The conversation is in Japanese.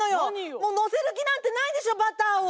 もう載せる気なんてないでしょバターを。